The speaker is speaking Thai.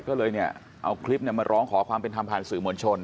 ก็เลยเนี่ยเอาคลิปมาร้องขอความเป็นธรรมผ่านสื่อมวลชน